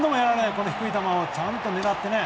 この低い球をちゃんと狙ってね。